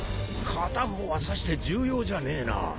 片方はさして重要じゃねえな